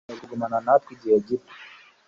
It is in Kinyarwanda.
Yiyemeje kugumana natwe igihe gito.